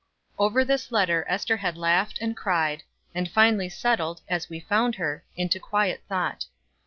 Over this letter Ester had laughed and cried, and finally settled, as we found her, into quiet thought.